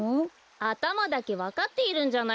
あたまだけわかっているんじゃないですか？